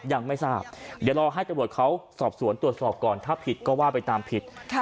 ยังไม่ทราบเดี๋ยวรอให้ตำรวจเขาสอบสวนตรวจสอบก่อนถ้าผิดก็ว่าไปตามผิด